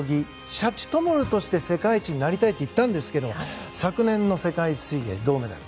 シャチ灯として世界一になりたいと言っていたんですが昨年の世界水泳は銅メダル。